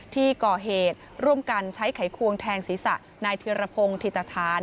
ที่ก่อเหตุร่วมกันใช้ไขควงแทงศีรษะนายธิรพงศ์ธิตฐาน